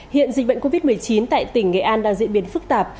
hiện dịch bệnh covid một mươi chín tại tỉnh nghệ an đang diễn biến phức tạp